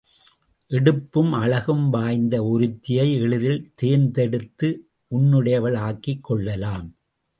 எடுப்பும் அழகும் வாய்ந்த ஒருத்தியை எளிதில் தேர்ந்தெடுத்து உன்னுடையவள் ஆக்கிக் கொள்ளலாம்.